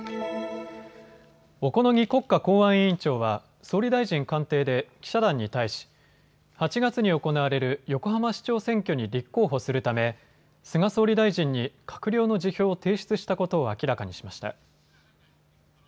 小此木国家公安委員長は総理大臣官邸で記者団に対し、８月に行われる横浜市長選挙に立候補するため菅総理大臣に閣僚の辞表を提出したことを明らかにしました。